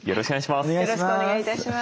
よろしくお願いします。